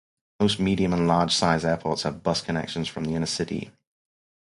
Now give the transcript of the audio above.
Most medium and large size airports have bus connections from the inner city.